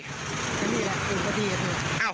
เกิดอุบัดอีกแล้ว